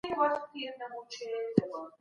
چېري د معلوماتو د ازادۍ قانون پلي کیږي؟